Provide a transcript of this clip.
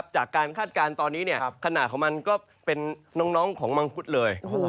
คาดการณ์ตอนนี้ขนาดของมันก็เป็นน้องของมังคุดเลย